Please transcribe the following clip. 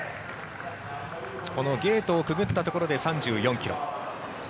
このゲートをくぐったところで３４ｋｍ。